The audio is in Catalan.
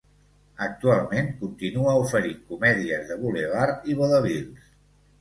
Actualment continua oferint comèdies de bulevard i vodevils.